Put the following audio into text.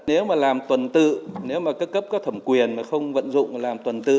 nếu mà làm tuần tự nếu mà cấp cấp có thẩm quyền mà không vận dụng làm tuần tự